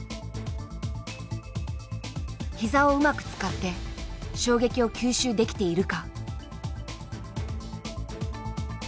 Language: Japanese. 膝をうまく使って衝撃を吸収できているか。